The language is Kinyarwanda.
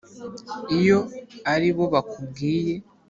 iyo ari bo bakubwiye”